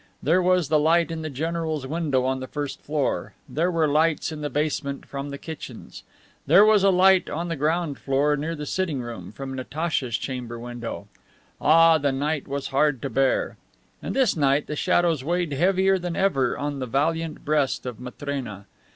There was the light in the general's window on the first floor. There were lights in the basement from the kitchens. There was a light on the ground floor near the sitting room, from Natacha's chamber window. Ah, the night was hard to bear. And this night the shadows weighed heavier than ever on the valiant breast of Matrena.